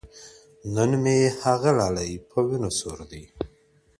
نن مي هغه لالى په ويــــنــو ســـــــور دى.